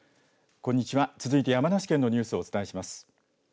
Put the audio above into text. こんにちは、続いて山梨県のニュースをお伝えします